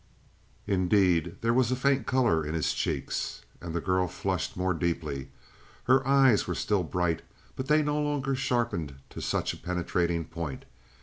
Indeed, there was a faint color in his cheeks. And the girl flushed more deeply; her eyes were still bright, but they no longer sharpened to such a penetrating point.